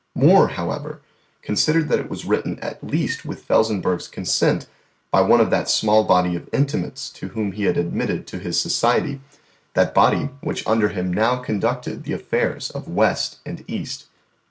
More, however, considered that it was written at least with Felsenburgh's consent by one of that small body of intimates whom he had admitted to his society that body which under him now conducted the affairs of West and East.